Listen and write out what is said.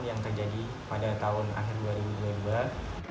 yang terjadi pada tahun akhir dua ribu dua puluh dua